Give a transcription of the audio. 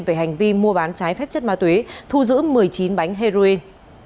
về hành vi mua bán trái phép chất ma túy thu giữ một mươi chín bánh heroin